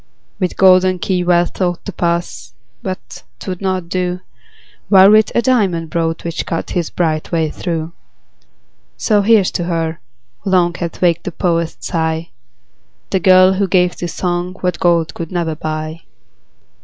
With golden key Wealth thought To pass but 'twould not do: While Wit a diamond brought, Which cut his bright way through. So here's to her, who long Hath waked the poet's sigh, The girl, who gave to song What gold could never buy.